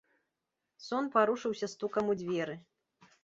Сон парушыўся стукам у дзверы.